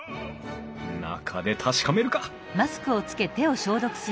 中で確かめるか